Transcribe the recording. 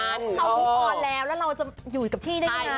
เขาดูออนแล้วแล้วเราจะอยู่กับที่ได้ยังไง